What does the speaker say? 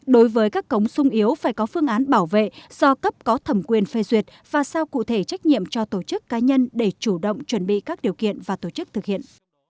đối với các cống sung yếu phải có phương án bảo vệ do cấp có thẩm quyền phê duyệt và sao cụ thể trách nhiệm cho tổ chức cá nhân để chủ động chuẩn bị các điều kiện và tổ chức thực hiện